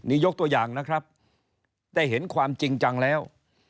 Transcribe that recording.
นี่ยกตัวอย่างนะครับได้เห็นความจริงจังแล้ว